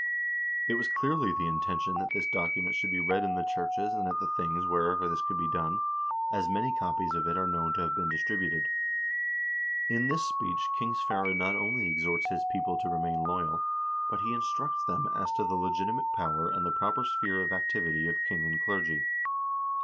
It was clearly the intention that this document should be read in the churches and at the things wherever this could be done, as many copies of it are known to have been distributed. In this speech King Sverre not only exhorts his people to remain loyal, but he instructs them as to the legitimate power and the proper sphere of activity of king and clergy.